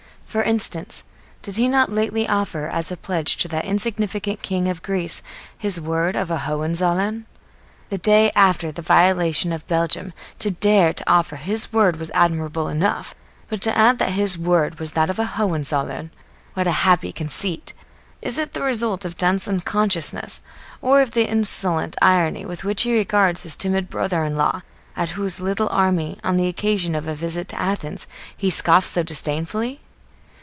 For instance, did he not lately offer as a pledge to that insignificant King of Greece his word of a Hohenzollern? The day after the violation of Belgium to dare to offer his word was admirable enough, but to add that his word was that of a Hohenzollern, what a happy conceit! Is it the result of dense unconsciousness or of the insolent irony with which he regards his timid brother in law, at whose little army, on the occasion of a visit to Athens, he scoffed so disdainfully?